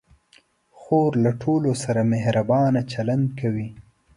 خور له ټولو سره مهربان چلند کوي.